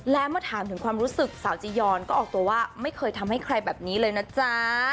และเมื่อถามถึงความรู้สึกสาวจียอนก็ออกตัวว่าไม่เคยทำให้ใครแบบนี้เลยนะจ๊ะ